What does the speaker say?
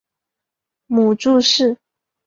母祝氏。